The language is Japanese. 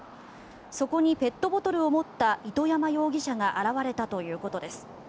そこにペットボトルを持った糸山容疑者が現れたということです。